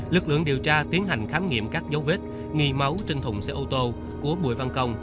lực lượng điều tra tiến hành khám nghiệm các dấu vết nghi máu trên thùng xe ô tô của bùi văn công